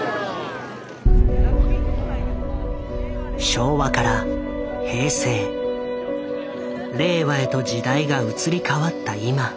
昭和から平成令和へと時代が移り変わった今。